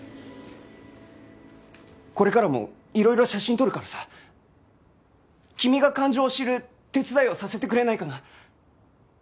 これからもいろいろ写真撮るからさ君が感情を知る手伝いをさせてくれないかな？